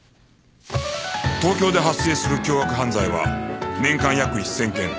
東京で発生する凶悪犯罪は年間約１０００件